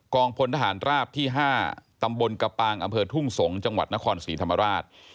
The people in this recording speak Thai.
พลทหารราบที่๕ตำบลกระปางอำเภอทุ่งสงศ์จังหวัดนครศรีธรรมราช